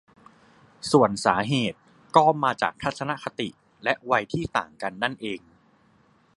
ส่วนสาเหตุก็มาจากทัศนคติและวัยที่ต่างกันนั่นเอง